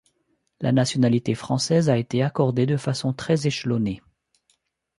La nationalité française a été accordée de façon très échelonnée.